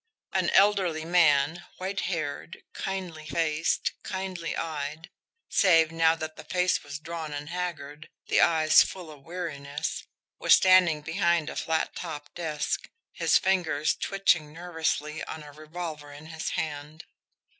An elderly man, white haired, kindly faced, kindly eyed, save now that the face was drawn and haggard, the eyes full of weariness, was standing behind a flat topped desk, his fingers twitching nervously on a revolver in his hand.